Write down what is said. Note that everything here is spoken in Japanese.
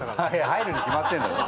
入るに決まってるんだろ。